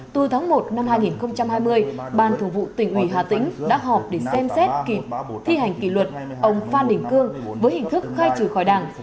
từ tháng một năm hai nghìn hai mươi ban thủ vụ tỉnh ủy hà tĩnh đã họp để xem xét kịp thi hành kỷ luật ông phan đình cương với hình thức khai trừ khỏi đảng